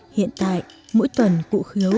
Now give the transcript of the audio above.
hiện tại mỗi tuần cụ khứu